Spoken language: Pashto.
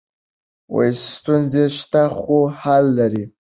ستونزې شته خو حل لري.